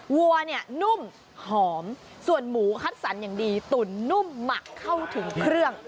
วัวเนี่ยนุ่มหอมส่วนหมูคัดสรรอย่างดีตุ๋นนุ่มหมักเข้าถึงเครื่อง